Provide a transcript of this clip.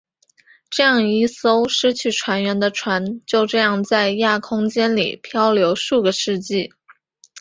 这样一艘失去船员的船就这样在亚空间里飘流数个世纪。